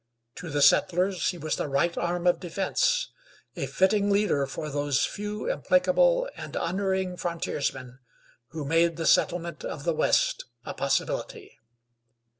To the settlers he was the right arm of defense, a fitting leader for those few implacable and unerring frontiersmen who made the settlement of the West a possibility.